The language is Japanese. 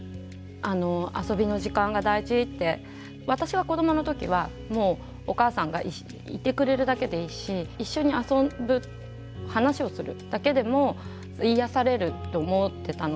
遊びの時間が大事って私が子どもの時はもうお母さんがいてくれるだけでいいし一緒に遊ぶ話をするだけでも癒やされると思ってたので。